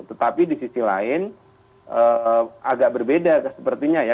tetapi di sisi lain agak berbeda sepertinya ya